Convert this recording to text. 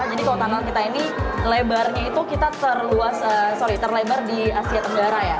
jadi kalau tunnel kita ini lebarnya itu kita terluas sorry terlebar di asia tenggara ya